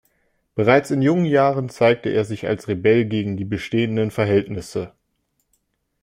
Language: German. Bereits in jungen Jahren zeigte er sich als Rebell gegen die bestehenden Verhältnisse.